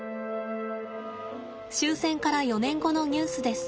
終戦から４年後のニュースです。